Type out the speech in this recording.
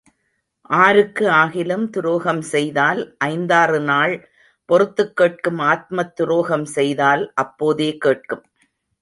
ஆருக்கு ஆகிலும் துரோகம் செய்தால் ஐந்தாறு நாள் பொறுத்துக் கேட்கும் ஆத்மத் துரோகம் செய்தால் அப்போதே கேட்கும்.